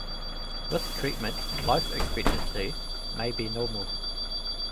With treatment life expectancy may be normal.